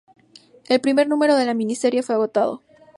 El primer número de la miniserie fue agotado.